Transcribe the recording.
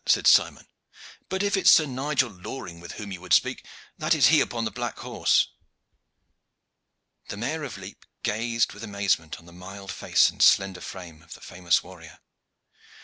said Simon. "But if it is Sir Nigel Loring with whom you would speak, that is he upon the black horse." The Mayor of Lepe gazed with amazement on the mild face and slender frame of the famous warrior.